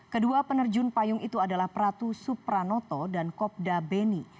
kedua penerjun payung itu adalah pratu supranoto dan kopda beni